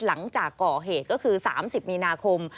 หลังจากก่อเหตุก็คือ๓๐มีนาคม